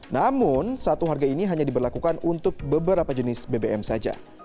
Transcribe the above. namun satu harga ini hanya diberlakukan untuk beberapa jenis bbm saja